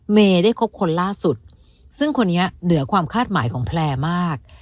เมย์ได้คบคนล่าสุดซึ่งคนนี้เหนือความคาดหมายของแพลร์มาก